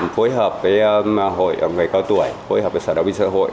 phối hợp với người cao tuổi phối hợp với sở đồng minh xã hội